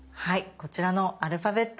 こちらのアルファベット